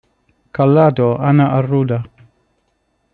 Callado, Ana Arruda.